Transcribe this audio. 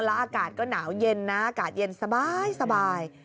แล้วอากาศก็หนาวเย็นนะอากาศเย็นสบาย